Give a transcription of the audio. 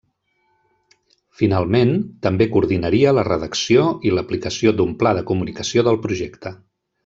Finalment, també coordinaria la redacció i l'aplicació d'un pla de comunicació del projecte.